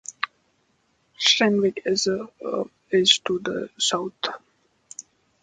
Renwick is to the south.